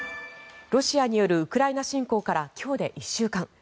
ロシアによるウクライナ侵攻から今日で１週間。